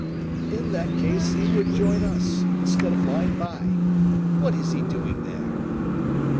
"In that case he would join us, instead of lying by. What is he doing there?"